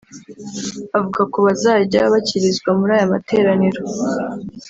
Avuga kubazajya bakirizwa muri aya materaniro